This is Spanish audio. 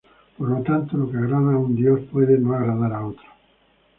Por lo tanto, lo que agrada a un dios puede no agradar a otro.